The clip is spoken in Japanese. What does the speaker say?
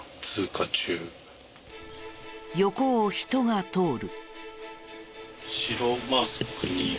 横を人が通る。